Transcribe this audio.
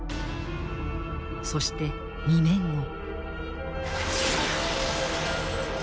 そして２年後。